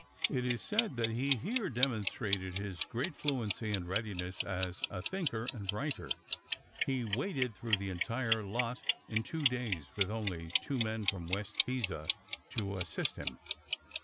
It is said that he here demonstrated his great fluency and readiness as a thinker and writer. He waded through the entire lot in two days with only two men from West Pisa to assist him.